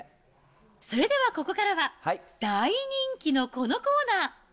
それではここからは、大人気のこのコーナー。